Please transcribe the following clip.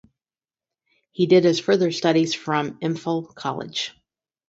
He did his further studies from Imphal College.